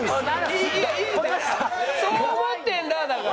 「そう思ってんだ」だから。